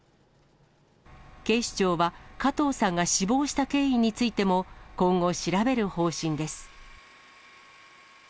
警視庁は、加藤さんが死亡した経緯についても今後、調べる方針です。